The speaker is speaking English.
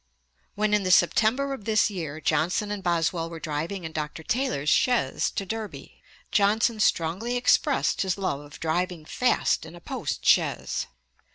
When in the September of this year Johnson and Boswell were driving in Dr. Taylor's chaise to Derby, 'Johnson strongly expressed his love of driving fast in a post chaise.